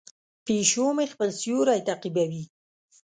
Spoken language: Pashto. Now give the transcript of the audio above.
پیشو مې خپل سیوری تعقیبوي.